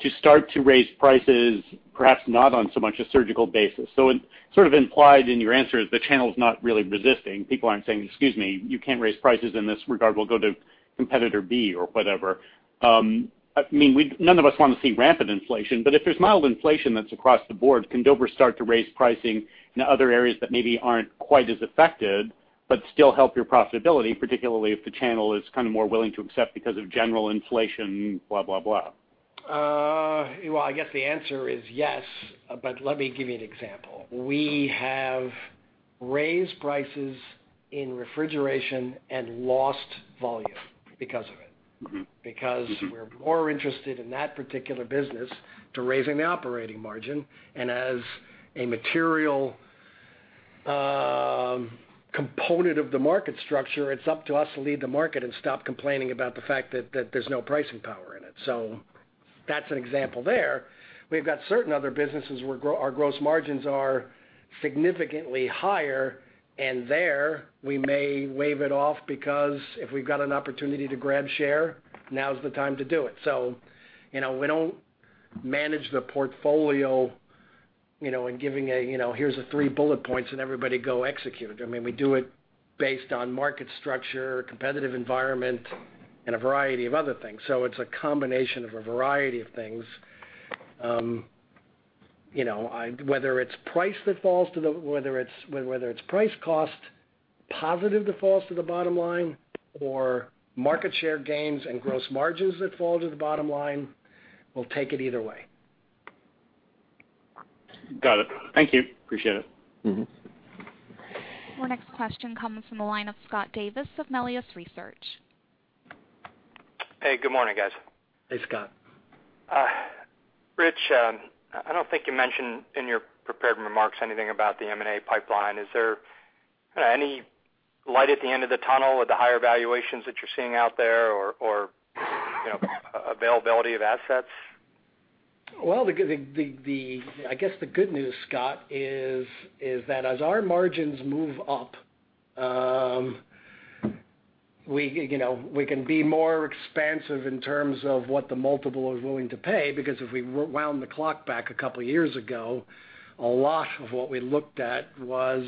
to start to raise prices, perhaps not on so much a surgical basis? It sort of implied in your answer that the channel's not really resisting. People aren't saying, excuse me, you can't raise prices in this regard. We'll go to competitor B or whatever. None of us want to see rampant inflation, but if there's mild inflation that's across the board, can Dover start to raise pricing in other areas that maybe aren't quite as affected but still help your profitability, particularly if the channel is kind of more willing to accept because of general inflation, blah, blah? I guess the answer is yes, but let me give you an example. We have raised prices in Refrigeration and lost volume because of it, because we're more interested in that particular business to raising the operating margin. As a material component of the market structure, it's up to us to lead the market and stop complaining about the fact that there's no pricing power in it. That's an example there. We've got certain other businesses where our gross margins are significantly higher, and there we may wave it off because if we've got an opportunity to grab share, now's the time to do it. We don't manage the portfolio in giving a, here's the three bullet points and everybody go execute. We do it based on market structure, competitive environment, and a variety of other things. It's a combination of a variety of things. Whether it's price cost positive defaults to the bottom line or market share gains and gross margins that fall to the bottom line, we'll take it either way. Got it. Thank you. Appreciate it. Our next question comes from the line of Scott Davis of Melius Research. Hey. Good morning, guys. Hey, Scott. Rich, I don't think you mentioned in your prepared remarks anything about the M&A pipeline. Is there any light at the end of the tunnel with the higher valuations that you're seeing out there or availability of assets? I guess the good news, Scott, is that as our margins move up, we can be more expansive in terms of what the multiple is willing to pay, because if we wound the clock back a couple of years ago, a lot of what we looked at was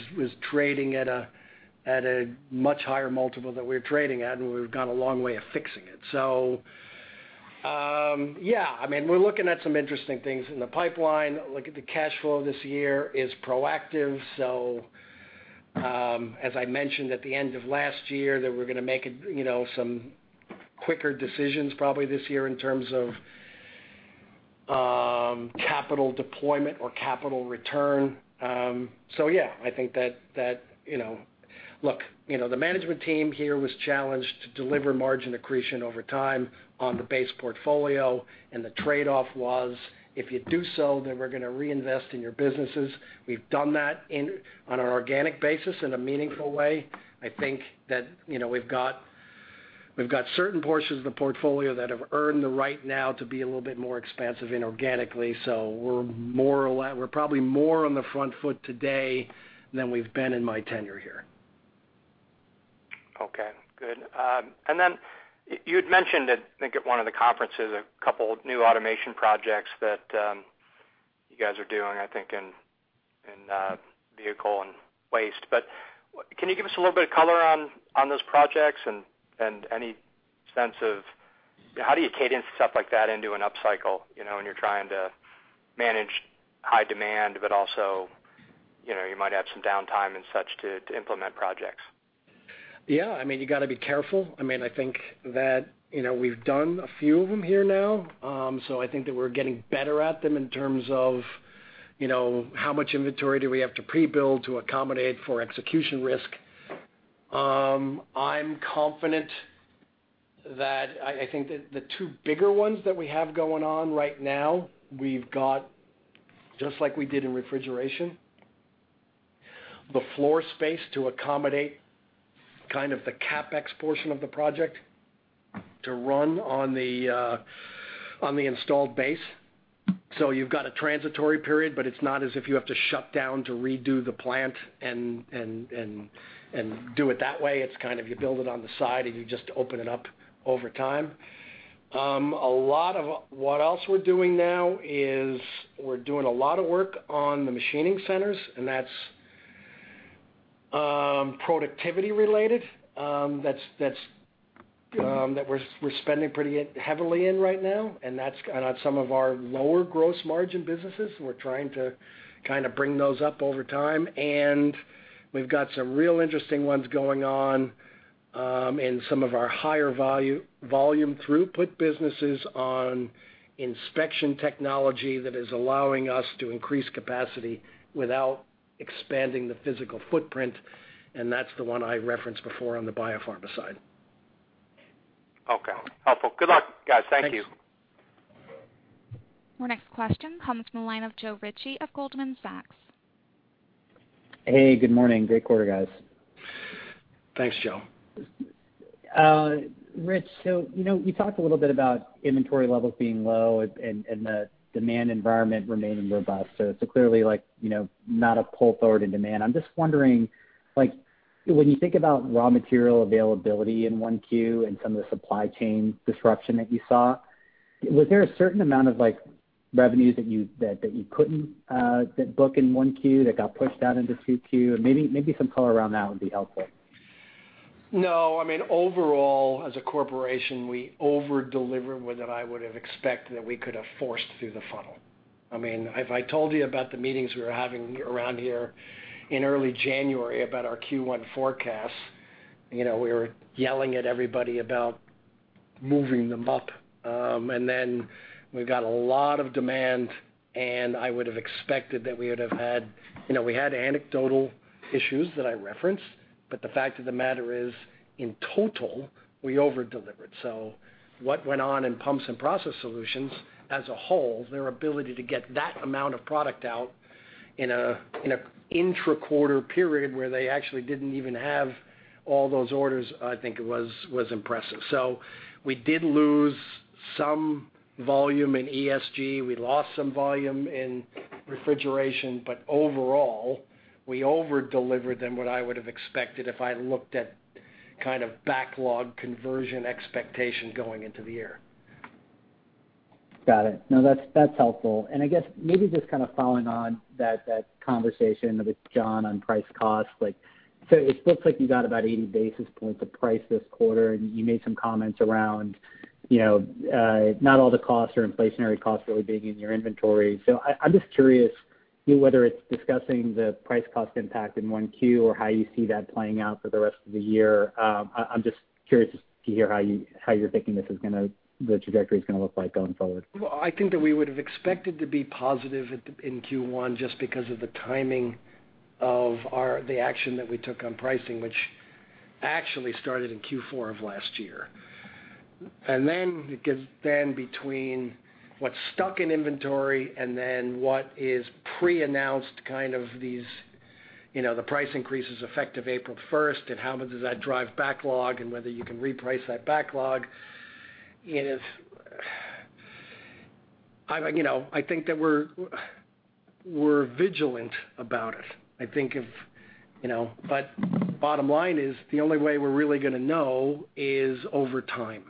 trading at a much higher multiple than we're trading at, and we've gone a long way of fixing it. Yeah, we're looking at some interesting things in the pipeline. Looking at the cash flow this year is proactive. As I mentioned at the end of last year, that we're going to make some quicker decisions probably this year in terms of capital deployment or capital return. Yeah, look, the management team here was challenged to deliver margin accretion over time on the base portfolio, and the trade-off was, if you do so, then we're going to reinvest in your businesses. We've done that on an organic basis in a meaningful way. I think that we've got certain portions of the portfolio that have earned the right now to be a little bit more expansive inorganically. We're probably more on the front foot today than we've been in my tenure here. Okay, good. Then you had mentioned, I think at one of the conferences, a couple of new automation projects that you guys are doing, I think in vehicle and waste. Can you give us a little bit of color on those projects and any sense of how do you cadence stuff like that into an up cycle, when you're trying to manage high demand, but also, you might have some downtime and such to implement projects? You got to be careful. I think that we've done a few of them here now. I think that we're getting better at them in terms of, how much inventory do we have to pre-build to accommodate for execution risk? I'm confident that I think that the two bigger ones that we have going on right now, we've got, just like we did in Refrigeration, the floor space to accommodate kind of the CapEx portion of the project to run on the installed base. You've got a transitory period, but it's not as if you have to shut down to redo the plant and do it that way. It's kind of you build it on the side, and you just open it up over time. A lot of what else we're doing now is we're doing a lot of work on the machining centers, and that's productivity related. That we're spending pretty heavily in right now, and that's on some of our lower gross margin businesses. We're trying to kind of bring those up over time. We've got some real interesting ones going on in some of our higher volume throughput businesses on inspection technology that is allowing us to increase capacity without expanding the physical footprint, and that's the one I referenced before on the biopharma side. Okay. Helpful. Good luck, guys. Thank you. Thanks. Our next question comes from the line of Joe Ritchie of Goldman Sachs. Hey, good morning. Great quarter, guys. Thanks, Joe. Rich, you talked a little bit about inventory levels being low and the demand environment remaining robust. It's clearly not a pull forward in demand. I'm just wondering, when you think about raw material availability in 1Q and some of the supply chain disruption that you saw, was there a certain amount of revenues that you couldn't book in 1Q that got pushed out into 2Q? Maybe some color around that would be helpful. Overall, as a corporation, we over-delivered more than I would've expected that we could have forced through the funnel. If I told you about the meetings we were having around here in early January about our Q1 forecasts, we were yelling at everybody about moving them up. We've got a lot of demand, and I would've expected that we would have had anecdotal issues that I referenced. The fact of the matter is, in total, we over-delivered. What went on in Pumps & Process Solutions as a whole, their ability to get that amount of product out in an intra-quarter period where they actually didn't even have all those orders, I think it was impressive. We did lose some volume in ESG. We lost some volume in refrigeration. Overall, we over-delivered than what I would've expected if I looked at kind of backlog conversion expectation going into the year. Got it. No, that's helpful. I guess maybe just kind of following on that conversation with John on price cost. It looks like you got about 80 basis points of price this quarter, and you made some comments around not all the costs or inflationary costs really being in your inventory. I'm just curious whether it's discussing the price cost impact in 1Q or how you see that playing out for the rest of the year. I'm just curious to hear how you're thinking the trajectory's going to look like going forward. I think that we would've expected to be positive in Q1 just because of the timing of the action that we took on pricing, which actually started in Q4 of last year, because then between what's stuck in inventory and then what is pre-announced, kind of these, the price increases effective April 1st, and how much does that drive backlog and whether you can reprice that backlog is I think that we're vigilant about it. Bottom line is, the only way we're really going to know is over time.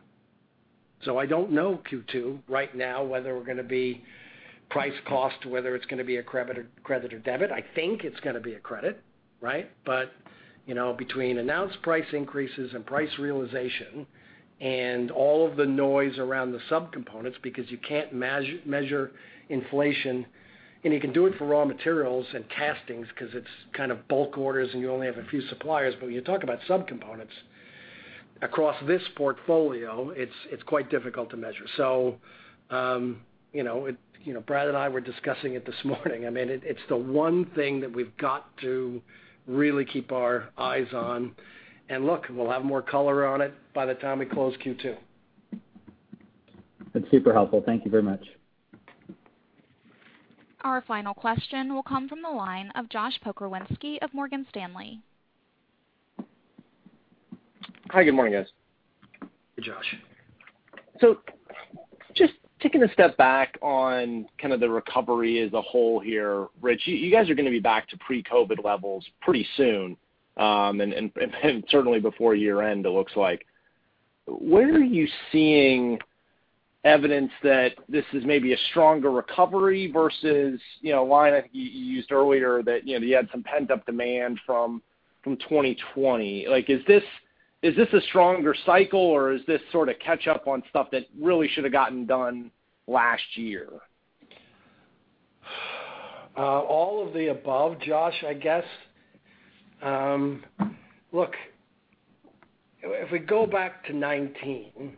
I don't know Q2 right now, whether we're going to be price cost, whether it's going to be a credit or debit. I think it's going to be a credit, right? Between announced price increases and price realization and all of the noise around the subcomponents, because you can't measure inflation, and you can do it for raw materials and castings because it's kind of bulk orders and you only have a few suppliers, but when you talk about subcomponents across this portfolio, it's quite difficult to measure. Brad and I were discussing it this morning. It's the one thing that we've got to really keep our eyes on. Look, we'll have more color on it by the time we close Q2. That's super helpful. Thank you very much. Our final question will come from the line of Josh Pokrzywinski of Morgan Stanley. Hi, good morning, guys. Hey, Josh. Just taking a step back on kind of the recovery as a whole here. Rich, you guys are going to be back to pre-COVID levels pretty soon, and certainly before year-end, it looks like. Where are you seeing evidence that this is maybe a stronger recovery versus a line, I think you used earlier that you had some pent-up demand from 2020? Is this a stronger cycle, or is this sort of catch up on stuff that really should have gotten done last year? All of the above, Josh, I guess. Look, if we go back to 2019,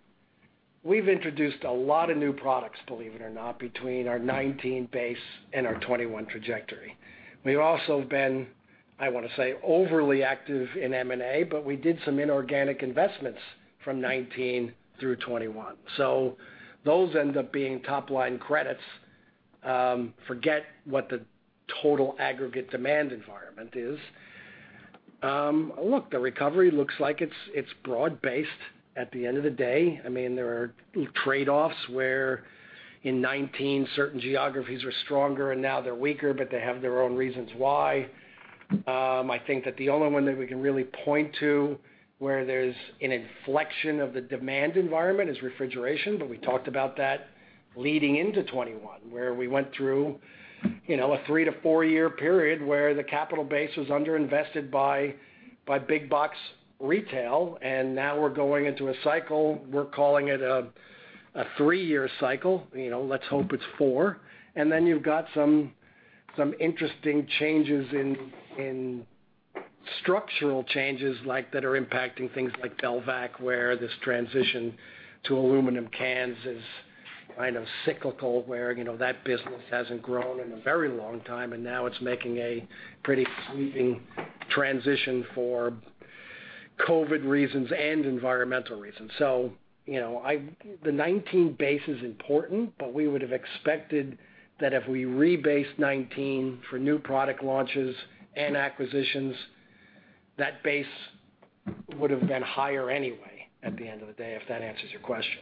we've introduced a lot of new products, believe it or not, between our 2019 base and our 2021 trajectory. We've also been, I want to say, overly active in M&A, but we did some inorganic investments from 2019 through 2021. Those end up being top-line credits. Forget what the total aggregate demand environment is. Look, the recovery looks like it's broad-based at the end of the day. There are trade-offs where in 2019, certain geographies were stronger and now they're weaker, but they have their own reasons why. I think that the only one that we can really point to where there's an inflection of the demand environment is refrigeration, but we talked about that leading into 2021, where we went through a three to four-year period where the capital base was underinvested by big-box retail, and now we're going into a cycle, we're calling it a three-year cycle. Let's hope it's four. Then you've got some interesting structural changes that are impacting things like Belvac, where this transition to aluminum cans is kind of cyclical, where that business hasn't grown in a very long time, and now it's making a pretty sweeping transition for COVID reasons and environmental reasons. The 2019 base is important, but we would have expected that if we rebased 2019 for new product launches and acquisitions, that base would've been higher anyway at the end of the day, if that answers your question.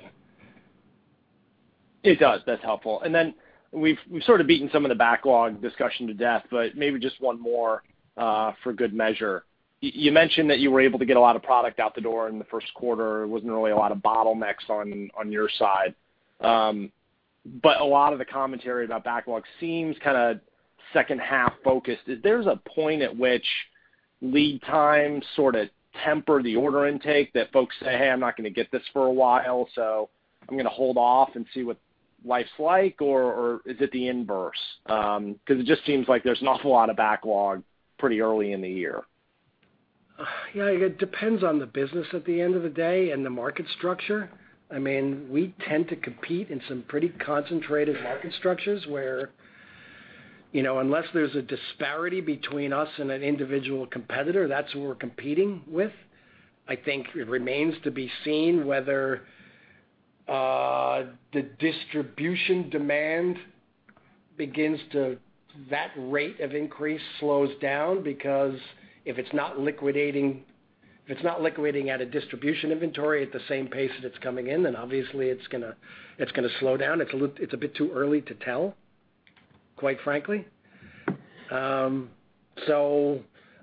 It does. That's helpful. Then we've sort of beaten some of the backlog discussion to death, but maybe just one more for good measure. You mentioned that you were able to get a lot of product out the door in the first quarter. There wasn't really a lot of bottlenecks on your side. A lot of the commentary about backlog seems kind of second half focused. There's a point at which lead times sort of temper the order intake that folks say, hey, I'm not going to get this for a while, so I'm going to hold off and see what life's like, or is it the inverse? It just seems like there's an awful lot of backlog pretty early in the year. Yeah, it depends on the business at the end of the day and the market structure. We tend to compete in some pretty concentrated market structures where unless there's a disparity between us and an individual competitor, that's who we're competing with. I think it remains to be seen whether the distribution demand begins to that rate of increase slows down because if it's not liquidating at a distribution inventory at the same pace that it's coming in, then obviously it's going to slow down. It's a bit too early to tell, quite frankly.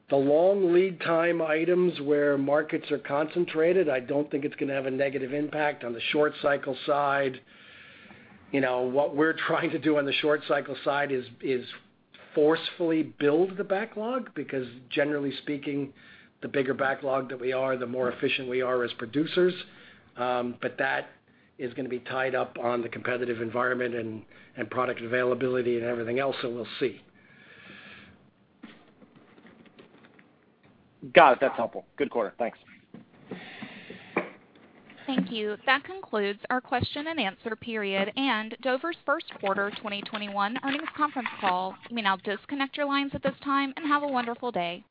The long lead time items where markets are concentrated, I don't think it's going to have a negative impact. On the short cycle side, what we're trying to do on the short cycle side is forcefully build the backlog because generally speaking, the bigger backlog that we are, the more efficient we are as producers. That is going to be tied up on the competitive environment and product availability and everything else, so we'll see. Got it. That's helpful. Good quarter. Thanks. Thank you. That concludes our question and answer period and Dover's first quarter 2021 earnings conference call. You may now disconnect your lines at this time, and have a wonderful day.